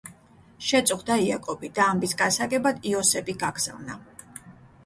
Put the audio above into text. შეწუხდა იაკობი და ამბის გასაგებად იოსები გაგზავნა.